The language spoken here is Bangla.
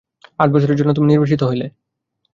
আট বৎসরের জন্য তুমি নির্বাসিত হইলে।